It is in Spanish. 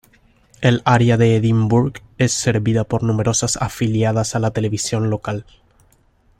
El área de Edinburg es servida por numerosas afiliadas a la televisión local.